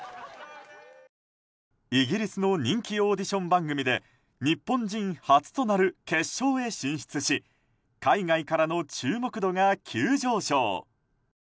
イギリスの人気オーディション番組で日本人初となる決勝へ進出し海外からの注目度が急上昇。